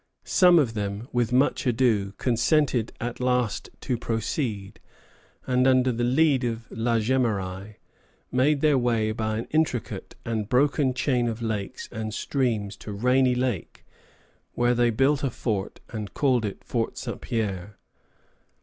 ] Some of them, with much ado, consented at last to proceed, and, under the lead of La Jemeraye, made their way by an intricate and broken chain of lakes and streams to Rainy Lake, where they built a fort and called it Fort St. Pierre.